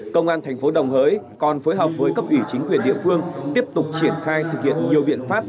còn phối hợp với cấp ủy chính quyền địa phương tiếp tục triển khai thực hiện nhiều biện pháp